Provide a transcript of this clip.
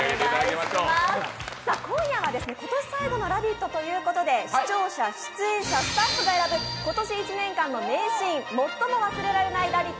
今夜は今年最後の「ラヴィット！」ということで、視聴者、出演者、スタッフが選ぶ今年１年間の名シーン「最も忘れられないラヴィット！